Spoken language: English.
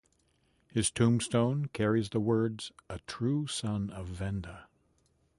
His tombstone carries the words, "A True Son of Venda".